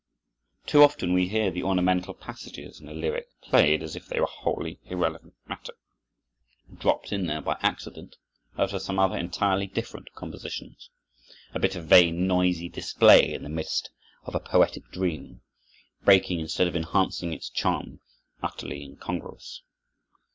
Too often we hear the ornamental passages in a lyric played as if they were wholly irrelevant matter, dropped in there by accident out of some other entirely different compositions,—a bit of vain, noisy display in the midst of a poetic dream, breaking instead of enhancing its charm, utterly incongruous.